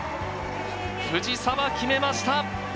藤澤、決めました。